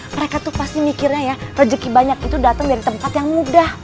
mereka tuh pasti mikirnya ya rezeki banyak itu datang dari tempat yang mudah